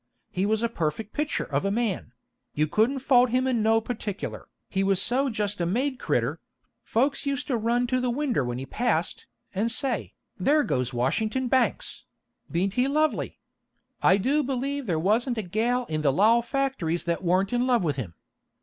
He was a perfect pictur' of a man; you couldn't fault him in no particular, he was so just a made critter; folks used to run to the winder when he passed, and say, 'There goes Washington Banks; beant he lovely!' I do believe there wasn't a gal in the Lowell factories that warn't in love with him.